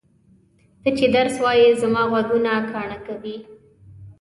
ته چې درس وایې زما غوږونه کاڼه کوې!